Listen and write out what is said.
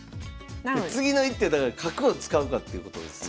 次の一手だから角を使うかっていうことですよね？